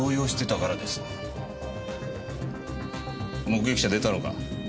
目撃者出たのか？